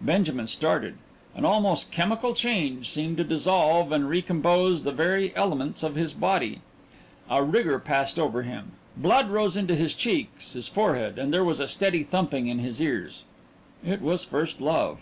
Benjamin started; an almost chemical change seemed to dissolve and recompose the very elements of his body. A rigour passed over him, blood rose into his cheeks, his forehead, and there was a steady thumping in his ears. It was first love.